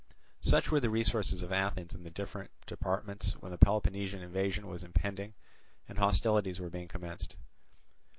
Such were the resources of Athens in the different departments when the Peloponnesian invasion was impending and hostilities were being commenced.